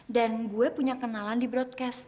dan gue punya kenalan di broadcast